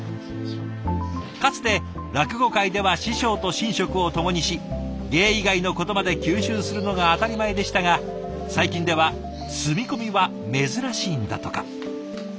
かつて落語界では師匠と寝食をともにし芸以外のことまで吸収するのが当たり前でしたが最近では住み込みは珍しいんだとか。